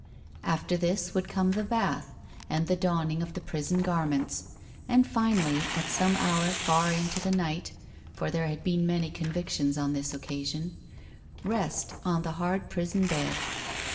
After this would come the bath and the donning of the prison garments, and finally, at some hour far into the night—for there had been many convictions on this occasion— rest on the hard prison bed.